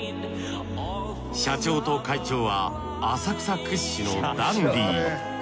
社長と会長は浅草屈指のダンディー。